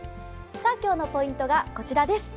今日のポイントがこちらです。